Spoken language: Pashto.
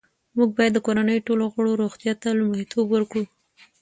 موږ باید د کورنۍ ټولو غړو روغتیا ته لومړیتوب ورکړو